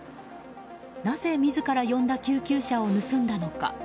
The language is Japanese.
なぜ自ら呼んだ救急車を盗んだのか。